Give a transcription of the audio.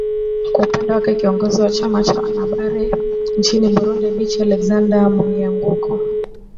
kwa upande wake kiongozi wa chama cha wanahabari nchini burundi bichi alexander myungeko